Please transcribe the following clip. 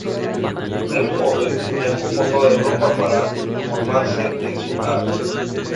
Muy joven, viajó por toda Europa para formarse en su arte.